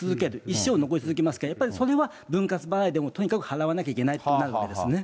一生残り続けますから、それは分割払いでも、とにかく払わなければいけないとなるわけですね。